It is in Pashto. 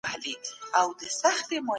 شخصي ملکیت ته درناوی وکړئ.